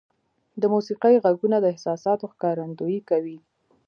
• د موسیقۍ ږغونه د احساساتو ښکارندویي کوي.